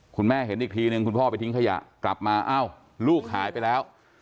คุณแม่เห็นอีกทีนึงคุณพ่อไปทิ้งขยะกลับมาอ้าวลูกหายไปแล้ว